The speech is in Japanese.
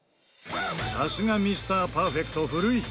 さすがミスターパーフェクト古市。